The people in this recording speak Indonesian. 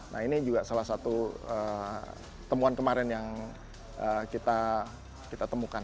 nah ini juga salah satu temuan kemarin yang kita temukan